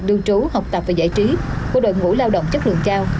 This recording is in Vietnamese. lưu trú học tập và giải trí của đội ngũ lao động chất lượng cao